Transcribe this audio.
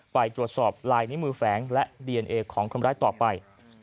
ไปตรวจสอบลายนิ้วมือแฝงและดีเอนเอของคนร้ายต่อไป